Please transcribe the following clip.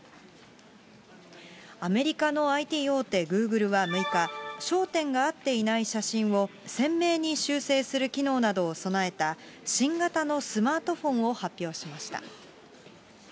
アメリカのＩＴ大手、グーグルは６日、焦点が合っていない写真を鮮明に修整する機能などを備えた、新型のスマートフォンを発表しました。